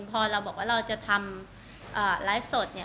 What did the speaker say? พอเราบอกว่าเราจะทำไลฟ์สดเนี่ย